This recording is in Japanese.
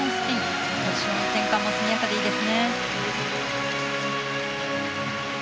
ポジションの転換も速やかでいいですね。